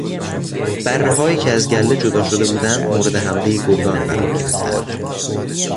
برههایی که از گله جدا شده بودند مورد حملهی گرگان قرار گرفتند.